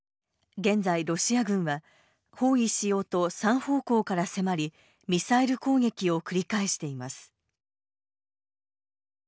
現在ロシア軍は包囲しようと３方向から迫りミサイル攻撃を繰り返しています。